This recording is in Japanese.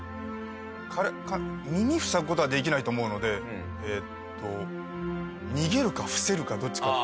耳塞ぐ事はできないと思うのでえーっと逃げるか伏せるかどっちか。